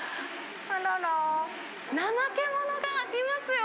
ナマケモノがいますよ。